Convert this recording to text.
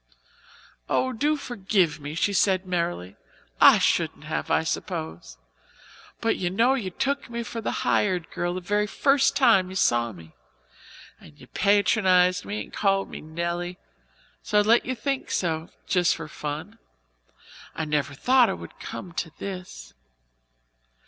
"Oh, do forgive me," she said merrily. "I shouldn't have, I suppose but you know you took me for the hired girl the very first time you saw me, and you patronized me and called me Nelly; so I let you think so just for fun. I never thought it would come to this.